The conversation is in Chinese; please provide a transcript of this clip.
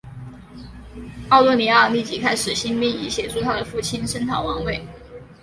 奥多尼奥立即开始兴兵以协助他的父亲声讨王位。